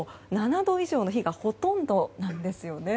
７度以上の日がほとんどなんですよね。